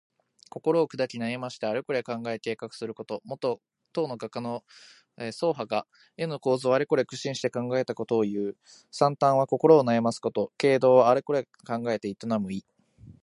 心をくだき、悩ましてあれこれ考え計画すること。もと、唐の画家の曹覇が絵の構図をあれこれ苦心して考えたことをいう。「惨憺」は心を悩ますこと。「経営」はあれこれ考えて営む意。